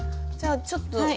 じゃあちょっと。